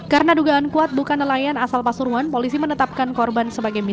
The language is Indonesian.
karena dugaan kuat bukan nelayan asal pasuruan polisi menetapkan korban sebagai mr a